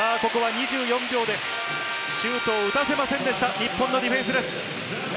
２４秒でシュートを打たせませんでした、日本のディフェンスです。